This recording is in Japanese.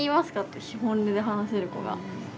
って本音で話せる子が。